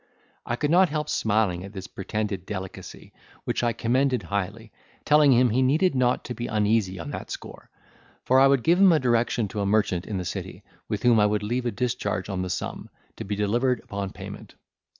I could not help smiling at this pretended delicacy, which I commended highly, telling him he needed not to be uneasy on that score, for I would give him a direction to a merchant in the city, with whom I would leave a discharge on the sum, to be delivered upon payment.